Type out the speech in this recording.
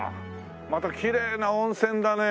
またきれいな温泉だね。